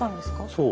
そう。